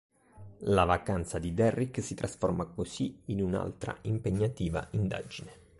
La vacanza di Derrick si trasforma così in un'altra impegnativa indagine.